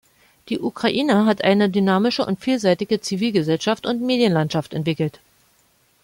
Die Ukraine hat eine dynamische und vielseitige Zivilgesellschaft und Medienlandschaft entwickelt.